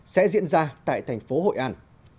sẽ diễn ra tại thành phố hội an